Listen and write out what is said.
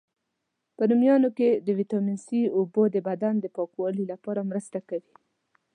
په رومیانو کی د ویټامین C، اوبو د بدن د پاکوالي لپاره مرسته کوي.